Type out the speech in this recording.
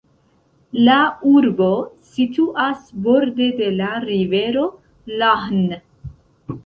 La urbo situas borde de la rivero Lahn.